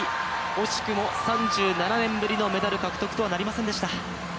惜しくも３７年ぶりのメダル獲得とはなりませんでした。